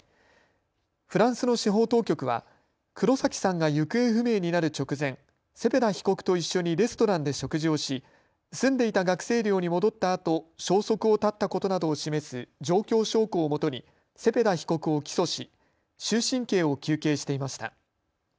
フランスの司法当局は黒崎さんが行方不明になる直前、セペダ被告と一緒にレストランで食事をし住んでいた学生寮に戻ったあと消息を絶ったことなどを示す状況証拠をもとにセペダ被告を起訴し終身刑を求刑していました。